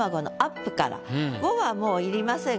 「を」はもう要りません